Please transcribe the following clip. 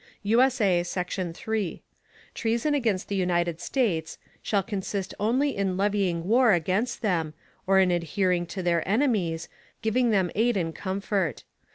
[USA] Section 3. Treason against the United States, shall consist only in levying War against them, or in adhering to their Enemies, giving them Aid and Comfort.